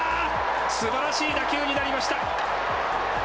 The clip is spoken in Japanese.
すばらしい打球になりました。